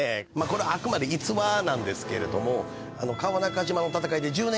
これあくまで逸話なんですけれども。